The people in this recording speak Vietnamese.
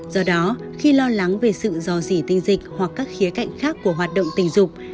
do đó khi lo lắng về sự do dì tinh dịch hoặc các khía cạnh khác của hoạt động tình dục